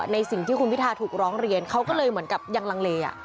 ในสิ่งที่คุณพิทาถูกร้องเรียนเขาก็เลยเหมือนกับยังลังเล